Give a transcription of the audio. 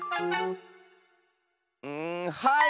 うんはい！